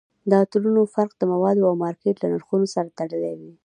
د عطرونو فرق د موادو او مارکیټ له نرخونو سره تړلی وي